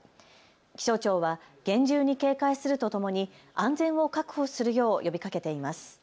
気象庁は厳重に警戒するとともに安全を確保するよう呼びかけています。